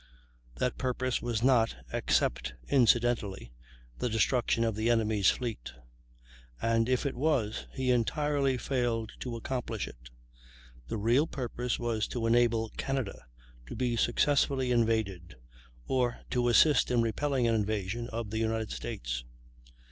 That purpose was not, except incidentally, "the destruction of the enemy's fleet"; and, if it was, he entirely failed to accomplish it. The real purpose was to enable Canada to be successfully invaded, or to assist in repelling an invasion of the United States.